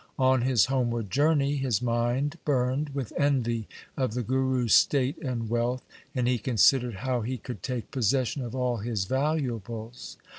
On his homeward journey his mind burned with envy of the Guru's state and wealth, and he considered how he could take possession of all his valuables.